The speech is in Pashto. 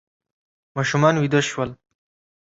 ماشومان ویده شول.